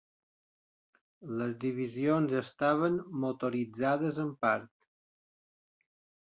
Les divisions estaven motoritzades en part.